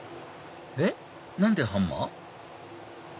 えっ何でハンマー？